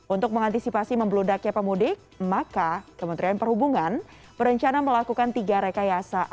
untuk mengantisipasi membludaknya pemudik maka kementerian perhubungan berencana melakukan tiga rekayasa